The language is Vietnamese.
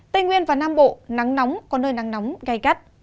tây nguyên và nam bộ nắng nóng có nơi nắng nóng cay cắt